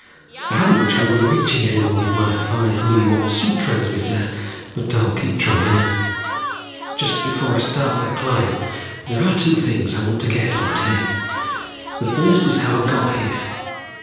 I haven't much hope of reaching anyone with my five milliwatt suit transmitter but I'll keep trying. "Just before I start the climb there are two things I want to get on tape. The first is how I got here.